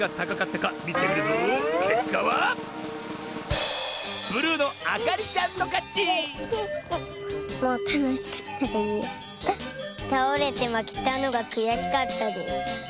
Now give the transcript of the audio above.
たおれてまけたのがくやしかったです。